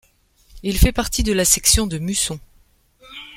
Il fait partie de la section de Musson.